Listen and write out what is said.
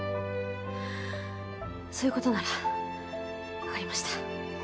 そういう事ならわかりました。